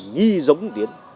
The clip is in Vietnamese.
nghĩ giống đến